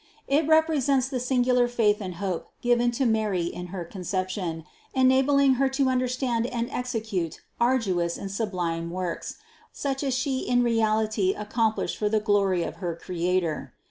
It represents the singular faith and hope given to Mary in her Conception, enabling Her to understand and execute arduous and sublime works, such as She in reality accomplished for the glory of Her Creator.